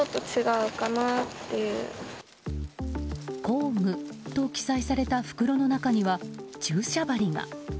工具と記載された袋の中には注射針が。